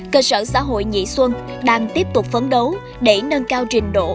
cơ sở xã hội nhị xuân đang tiếp tục phấn đấu để nâng cao trình độ